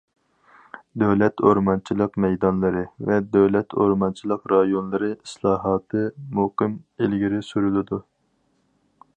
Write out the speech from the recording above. دۆلەت ئورمانچىلىق مەيدانلىرى ۋە دۆلەت ئورمانچىلىق رايونلىرى ئىسلاھاتى مۇقىم ئىلگىرى سۈرۈلىدۇ.